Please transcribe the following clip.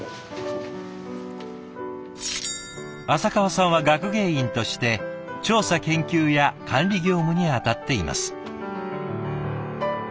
浅川さんは学芸員として調査研究や管理業務に当たっています。